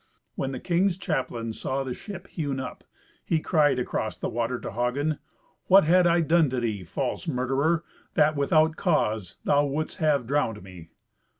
When the king's chaplain saw the ship hewn up, he cried across the water to Hagen, "What had I done to thee, false murderer, that, without cause, thou wouldst have drowned me?"